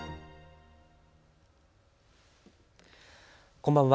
こんばんは。